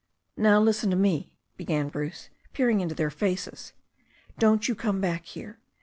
"Now, listen to me," began Bruce, peering into their faces, "don't you come back here.